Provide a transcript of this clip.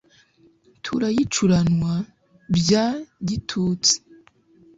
Turayicuranwa bya gitutsi